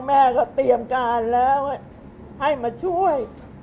แม่ก็เตรียมการแล้วให้มาช่วย